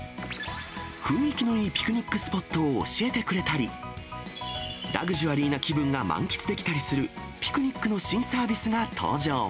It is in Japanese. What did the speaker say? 雰囲気のいいピクニックスポットを教えてくれたり、ラグジュアリーな気分が満喫できたりするピクニックの新サービス